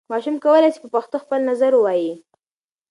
ماشوم کولای سي په پښتو خپل نظر ووايي.